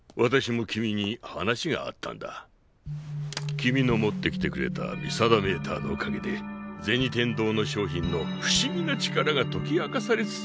君の持ってきてくれた見定メーターのおかげで銭天堂の商品の不思議な力が解き明かされつつある。